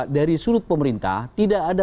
dari sudut pemerintah tidak ada